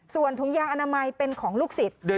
ส่วนถุงยางอนามัยเป็นของลูกศิษย์